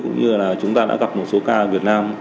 cũng như là chúng ta đã gặp một số ca việt nam